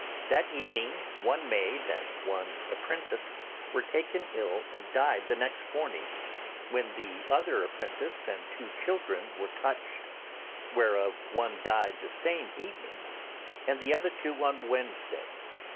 That evening one maid and one apprentice were taken ill and died the next morning—when the other apprentice and two children were touched, whereof one died the same evening, and the other two on Wednesday.